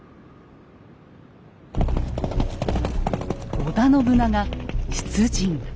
織田信長出陣。